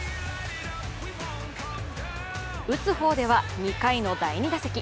打つ方では、２回の第２打席。